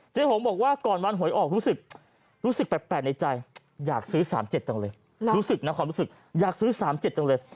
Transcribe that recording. เจ๊หงบอกว่าก่อนวันหวยออกรู้สึกแปลกในใจอยากซื้อ๓๗จังเลย